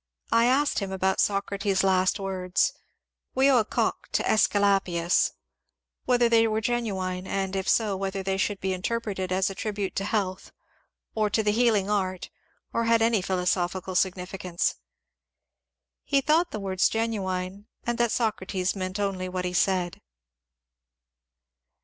I asked him about Socrates' last words, *^ We owe a cock to ^sculapius," whether they were genuine, and, if so, whether they should be interpreted as a tribute to health, or to the healing art, or had any philosophical significance. He thought the words genuine, and that Socrates meant only what he said.